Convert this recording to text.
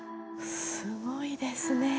すごいですね。